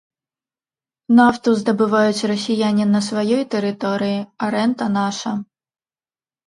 Нафту здабываюць расіяне на сваёй тэрыторыі, а рэнта наша.